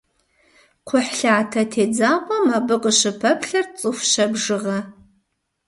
Кхъухьлъатэ тедзапӏэм абы къыщыпэплъэрт цӏыху щэ бжыгъэ.